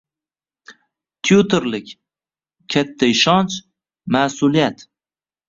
Tyutorlik - katta ishonch, ma’suliyat...ng